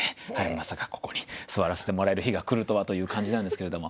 まさかここに座らせてもらえる日が来るとはという感じなんですけれども。